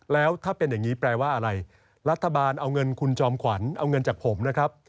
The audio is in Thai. แล้วถ้าเป็นอย่างนี้แปลว่าอะไรรัฐบาลเอาเงินคุณจอมขวัญเอาเงินจากผมนะครับ